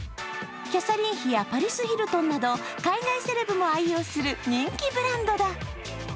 キャサリン妃やパリス・ヒルトンなど海外セレブも愛用する人気ブランドだ。